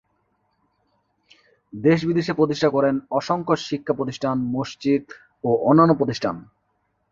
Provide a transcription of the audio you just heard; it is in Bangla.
দেশ বিদেশে প্রতিষ্ঠা করেন অসংখ্য শিক্ষা প্রতিষ্ঠান, মসজিদ ও অন্যান্য প্রতিষ্ঠান।